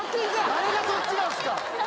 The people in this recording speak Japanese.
誰が「そっち」なんすか！